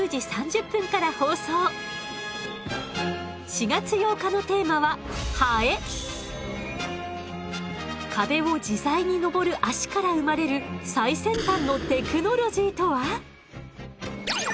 ４月８日のテーマは壁を自在に登る脚から生まれる最先端のテクノロジーとは？